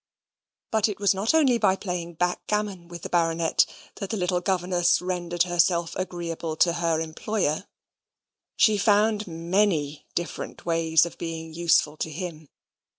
But it was not only by playing at backgammon with the Baronet, that the little governess rendered herself agreeable to her employer. She found many different ways of being useful to him.